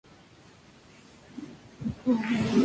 Fue encarcelado en alguna ocasión.